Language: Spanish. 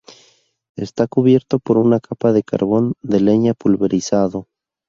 Está cubierto por una capa de carbón de leña pulverizado.